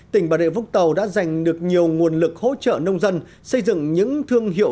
tỉnh bà rịa vũng tàu đã giành được nhiều nguồn lực hỗ trợ nông dân xây dựng những thương hiệu